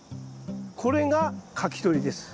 これがかき取りです。